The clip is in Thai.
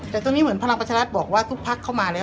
แต่ตรงนี้เหมือนพลังประชารัฐบอกว่าทุกพักเข้ามาแล้ว